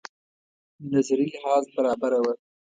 نظري لحاظ برابره وه.